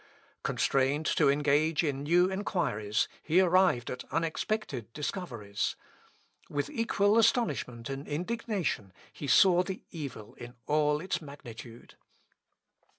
Constrained to engage in new enquiries, he arrived at unexpected discoveries. With equal astonishment and indignation he saw the evil in all its magnitude.